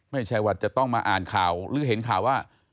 ไม่ใช่ว่าจะต้องมาอ่านข่าวหรือเห็นข่าวว่า